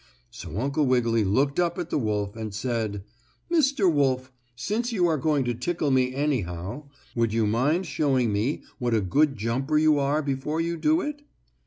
So Uncle Wiggily looked up at the wolf, and said: "Mr. Wolf, since you are going to tickle me anyhow, would you mind showing me what a good jumper you are before you do it?"